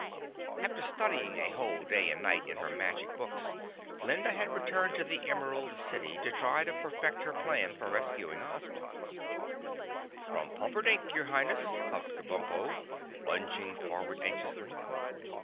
After studying a whole day and night in her magic books, Glinda had returned to the Emerald City to try to perfect her plan for rescuing Ozma. "From Pumperdink, your Highness," puffed Kabumpo, lunging forward anxiously.